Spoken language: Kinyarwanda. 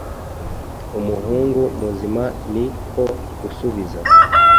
umuhungu muzima ni ko gusubiza